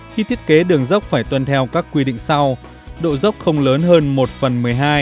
hai hai hai khi thiết kế đường dốc phải tuân theo các quy định sau độ dốc không lớn hơn một phần một mươi hai